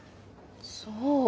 そう。